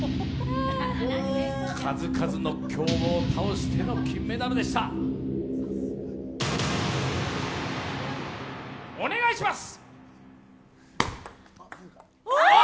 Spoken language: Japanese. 数々の強豪を倒しての金メダルでした、お願いします！